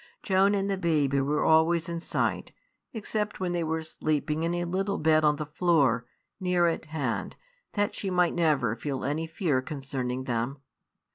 Joan and the baby were always in sight; except when they were sleeping in a little bed on the floor, near at hand, that she might never feel any fear concerning them.